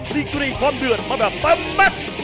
ดีกรีความเดือดมาแบบปั๊มแม็กซ์